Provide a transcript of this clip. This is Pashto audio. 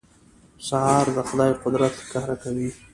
سهار د خدای قدرت ښکاره کوي.